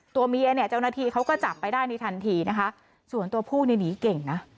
ตัวเมียเนี่ยเจ้าหน้าที่เขาก็จับไปได้ในทันทีนะคะส่วนตัวผู้นี่หนีเก่งนะ